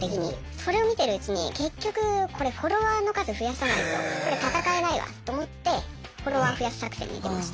それを見てるうちに結局これフォロワーの数増やさないとこれ戦えないわと思ってフォロワー増やす作戦に出ました。